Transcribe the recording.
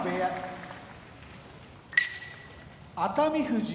熱海富士